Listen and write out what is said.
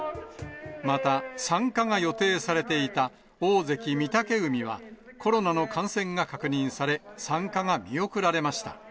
また、参加が予定されていた大関・御嶽海は、コロナの感染が確認され、参加が見送られました。